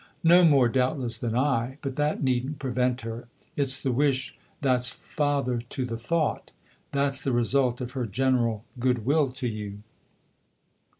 " No more, doubtless, than I ! But that needn't prevent her. It's the wish that's father to the thought. That's the result of her general goodwill to you."